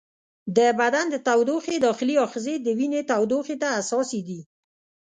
د بدن د تودوخې داخلي آخذې د وینې تودوخې ته حساسې دي.